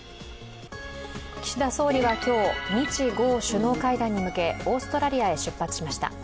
岸田総理は今日、日豪首脳会談に向けオーストラリアに出発しました。